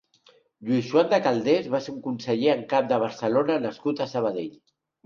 Lluís Joan de Calders va ser un conseller en cap de Barcelona nascut a Sabadell.